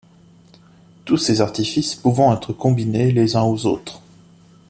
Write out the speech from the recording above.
Tous ces artifices pouvant être combinés les uns aux autres.